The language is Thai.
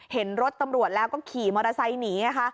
เห็นรถตำรวจแล้วก็ขี่มอเตอร์ไซค์หนีนะคะ